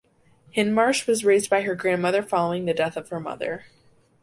Hindmarsh was raised by her grandmother following the death of her mother.